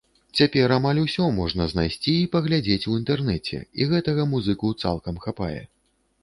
Цяпер амаль усё можна знайсці і паглядзець у інтэрнэце, і гэтага музыку цалкам хапае.